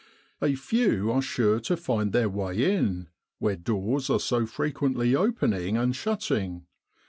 A few are sure to find their way in, where doors are so frequently opening and shutting.